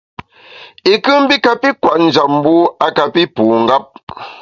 I nkù mbi kapi kwet njap, mbu a kapi pu ngap.